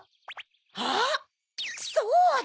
あっそうだ！